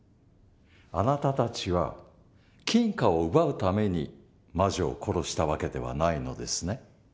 あなたたちは金貨を奪うために魔女を殺した訳ではないのですね？